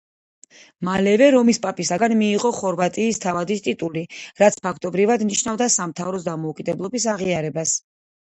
მალევე რომის პაპისაგან მიიღო ხორვატიის თავადის ტიტული, რაც, ფაქტობრივად, ნიშნავდა სამთავროს დამოუკიდებლობის აღიარებას.